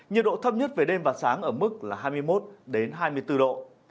nhiệt độ thấp nhất về đêm và sáng ở mức là hai mươi một hai mươi bốn độ